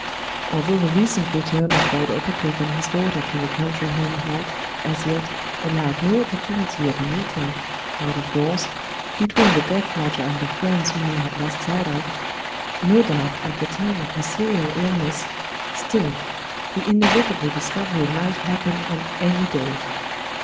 Although the recent return of Lord Uppercliff and his daughter to their country home had, as yet, allowed no opportunity of a meeting, out of doors, between the deaf Lodger and the friends whom he had lost sight of no doubt at the time of his serious illness still, the inevitable discovery might happen on any day.